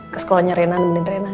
ke sekolahnya rena